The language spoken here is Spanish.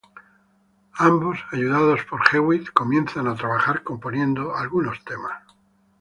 Ambos, ayudados por Hewitt, comienzan a trabajar componiendo algunos temas.